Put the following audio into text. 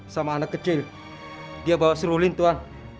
sama anak kecil dia bawa serulin tuhan